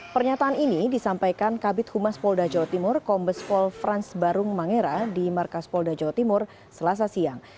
pernyataan ini disampaikan kabit humas polda jawa timur kombes pol frans barung mangera di markas polda jawa timur selasa siang